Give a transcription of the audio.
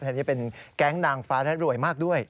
อันนี้เป็นแก๊งนางฟ้าและรวยมากด้วย